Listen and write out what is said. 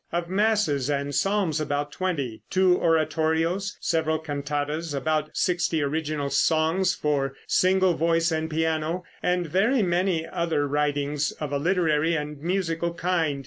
Of masses and psalms about twenty. Two oratorios, several cantatas, about sixty original songs for single voice and piano, and very many other writings of a literary and musical kind.